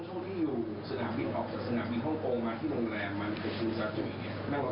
ช่วงที่อยู่สนับบินออกจากสนับบินฮ่องโปรงมาที่โรงแรมมันคือชิงซาจุยแม่งว่าอะไรครับ